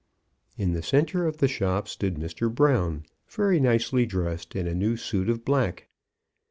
In the centre of the shop stood Mr. Brown, very nicely dressed in a new suit of black.